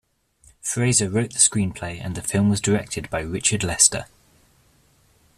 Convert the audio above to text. Fraser wrote the screenplay and the film was directed by Richard Lester.